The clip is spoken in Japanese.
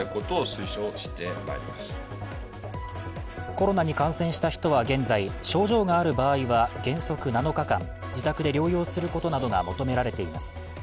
コロナに感染した人は現在症状がある場合は原則７日間自宅で療養することなどが求められています。